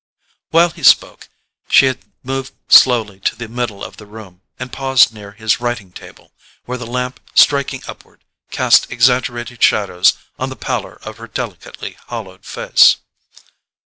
While he spoke she had moved slowly to the middle of the room, and paused near his writing table, where the lamp, striking upward, cast exaggerated shadows on the pallor of her delicately hollowed face.